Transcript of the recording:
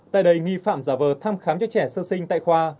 tại đây nghi phạm giả vờ thăm khám cho trẻ sơ sinh tại khoa